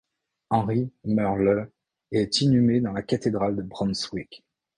Henri meurt le et est inhumé dans la cathédrale de Brunswick.